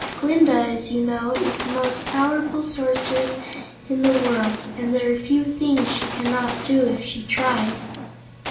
Glinda, as you know, is the most powerful Sorceress in the world, and there are few things she cannot do if she tries."